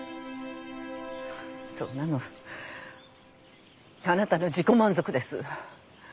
そんなのあなたの自己満足です。